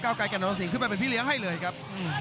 ไกลกับนรสิงขึ้นไปเป็นพี่เลี้ยงให้เลยครับ